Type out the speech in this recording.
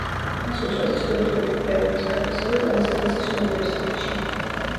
მას უწოდეს კულტურული კვლევების პროფესორი კონსტანცის უნივერსიტეტში.